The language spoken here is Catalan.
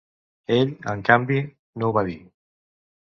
Ell, en canvi, no ho va dir.